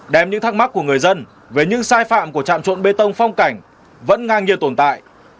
đem những thắc mắc của người dân về những sai phạm của trạm trộn bê tông phong cảnh vẫn ngang nhiên tồn tại